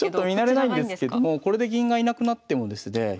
見慣れないんですけどもこれで銀が居なくなってもですね